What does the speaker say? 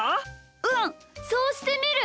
うんそうしてみる！